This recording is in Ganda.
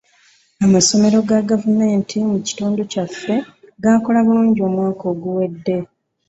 Amasomero ga gavumenti mu kitundu kyaffe gakola bulungi omwaka oguwedde.